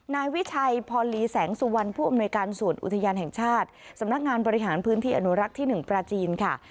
นายวิชัยพรลีแสงสุวรรณผู้อำนวยการส่วนอุทยานแห่งชาติสำนักงานบริหารพื้นที่อนุรักษ์ที่๑ปราจีนค่ะ